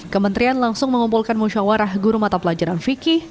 kementerian langsung mengumpulkan musyawarah guru mata pelajaran fikih